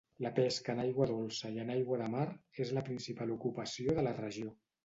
La pesca en aigua dolça i en aigua de mar és la principal ocupació de la regió.